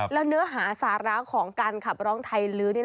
แล้วเนื้อหาสาระของการขับร้องไทยลื้อ